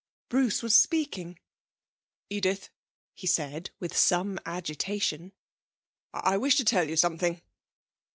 Bruce was speaking. 'Edith,' he said with some agitation, 'I wish to tell you something.'